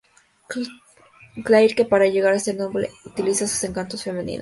Clair, que para llegar a ser noble, utiliza sus encantos femeninos.